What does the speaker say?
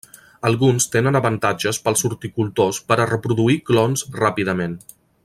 Alguns tenen avantatges pels horticultors per a reproduir clons ràpidament.